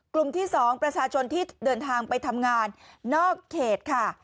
กลุ่มที่๒ประชาชนที่เดินทางไปทำงานนอกเขตค่ะ